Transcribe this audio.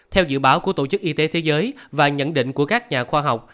theo dự báo của tổ chức y tế thế giới và nhận định của các nhà khoa học